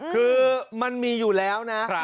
คือมันมีอยู่แล้วนะ